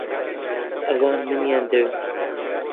ئەوان منیان دەوێت.